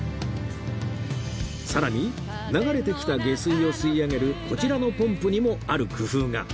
更に流れてきた下水を吸い上げるこちらのポンプにもある工夫が